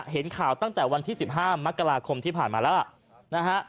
เห็นข่าวตั้งแต่วันที่๑๕มกราคมที่ผ่านมาแล้วล่ะนะฮะ